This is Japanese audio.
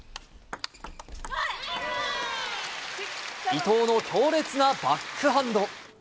伊藤の強烈なバックハンド。